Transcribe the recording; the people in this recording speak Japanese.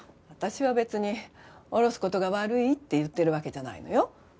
私は別におろす事が悪いって言ってるわけじゃないのよ。